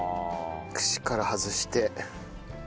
串から外して。